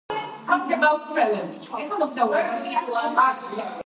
ნახევარფინალში იტალია გერმანიის ნაკრებს შეხვდა.